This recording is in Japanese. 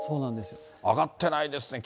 上がってないですね。